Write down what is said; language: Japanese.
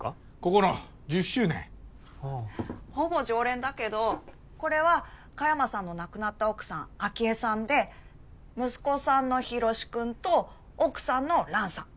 ここの１０周年ほぼ常連だけどこれは香山さんの亡くなった奥さん明恵さんで息子さんの洋くんと奥さんの蘭さん